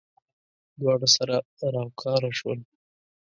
دواړه سره راوکاره شول.